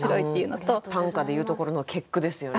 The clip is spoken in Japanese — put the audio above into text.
短歌で言うところの結句ですよね。